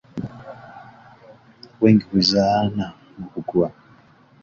wengi huzaana na kukua